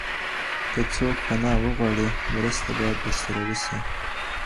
که څوک پناه وغواړي، مرسته بايد ورسره وسي.